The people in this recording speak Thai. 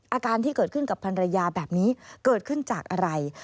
อาการที่เกิดขึ้นกับภรรยาแบบนี้เกิดขึ้นจากอะไร